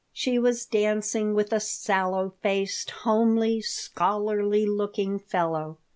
She was dancing with a sallow faced, homely, scholarly looking fellow.